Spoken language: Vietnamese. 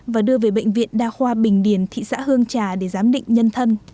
và đưa về bệnh viện đa khoa bình điền thị xã hương trà để giám định nhân thân